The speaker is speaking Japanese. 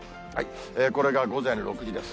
これが午前６時です。